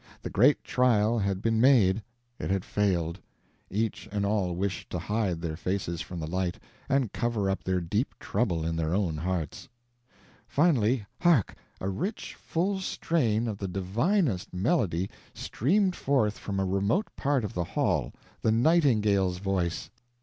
The great trial had been made; it had failed; each and all wished to hide their faces from the light and cover up their deep trouble in their own hearts. Finally hark! A rich, full strain of the divinest melody streamed forth from a remote part of the hall the nightingale's voice!